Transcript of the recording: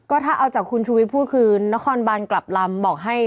ก็ถ้าเอาจากคุณชูวิทย์พูดคือนครบานกลับลำบอกให้